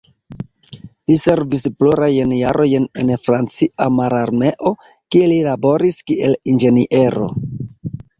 Li servis plurajn jarojn en la francia mararmeo, kie li laboris kiel inĝeniero.